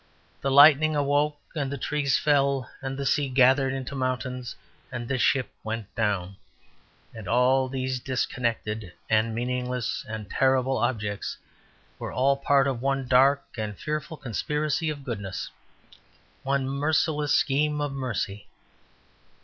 The lightning awoke and the tree fell and the sea gathered into mountains and the ship went down, and all these disconnected and meaningless and terrible objects were all part of one dark and fearful conspiracy of goodness, one merciless scheme of mercy.